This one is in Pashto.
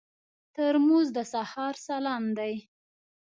ترموز د سهار سلام دی.